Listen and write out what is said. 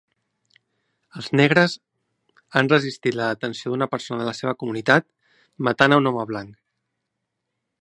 Els negres han resistit la detenció d'una persona de la seva comunitat, matant a un home blanc.